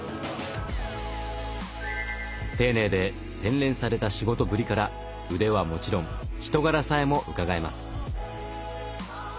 丁寧で洗練された仕事ぶりから腕はもちろん人柄さえもうかがえます。